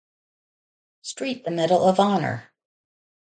Street the Medal of Honor.